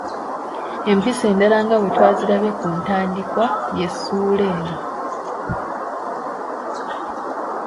Empisa endala nga bwe twazirabye ku ntandikwa y’essuula eno.